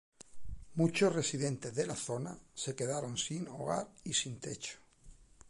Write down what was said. Muchos residentes de la zona se quedaron sin hogar y sin techo.